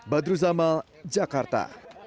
badruz amal jakarta